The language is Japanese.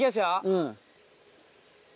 うん。